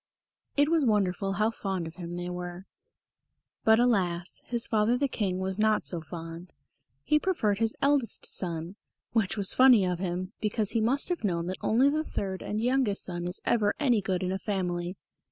It was wonderful how fond of him they were. But alas! his father the King was not so fond. He preferred his eldest son; which was funny of him, because he must have known that only the third and youngest son is ever any good in a family.